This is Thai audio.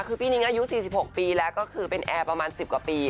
คือพี่นิ้งอายุ๔๖ปีแล้วก็คือเป็นแอร์ประมาณ๑๐กว่าปี